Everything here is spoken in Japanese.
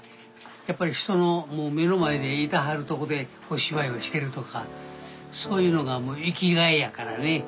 やっぱり人の目の前でいてはる所でお芝居をしてるとかそういうのが生きがいやからね。